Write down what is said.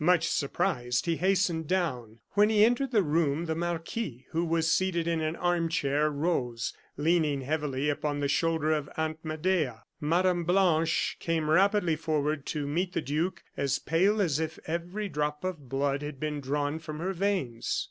Much surprised, he hastened down. When he entered the room, the marquis, who was seated in an arm chair, rose, leaning heavily upon the shoulder of Aunt Medea. Mme. Blanche came rapidly forward to meet the duke, as pale as if every drop of blood had been drawn from her veins.